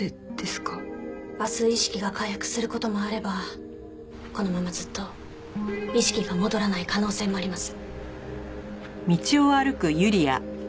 明日意識が回復する事もあればこのままずっと意識が戻らない可能性もあります。